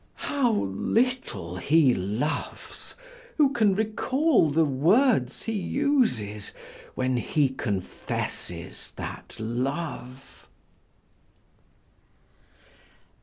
How little he loves, who can recall the words he uses when he confesses that love!